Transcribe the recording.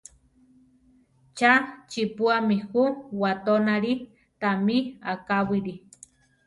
¡Cha chiʼpúami ju watónali! Támi akáwili!